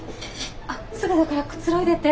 あっすぐだからくつろいでて。